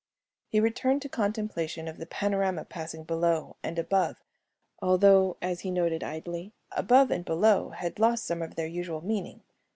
He returned to contemplation of the panorama passing below and above, although as he noted idly, above and below had lost some of their usual meaning.